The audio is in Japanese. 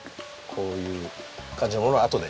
こういう感じのものをあとで。